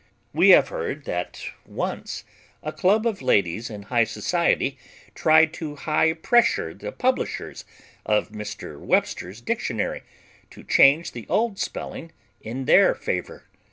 We have heard that once a club of ladies in high society tried to high pressure the publishers of Mr. Webster's dictionary to change the old spelling in their favor.